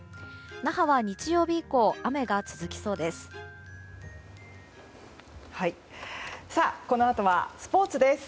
那覇は日曜日以降雨が続きそうです。